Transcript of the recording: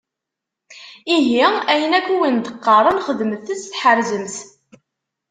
Ihi, ayen akk i wen-d-qqaren, xedmet-tt tḥerzem-t.